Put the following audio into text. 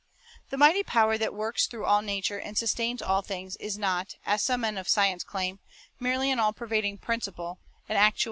4 The mighty power that works through all nature and sustains all things is not, as some men of science claim, merely an all pervading principle, an actuating 1 Heb.